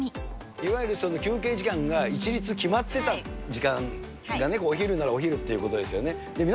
いわゆる休憩時間が一律、決まってた、時間がね、お昼ならお昼ってことですよね。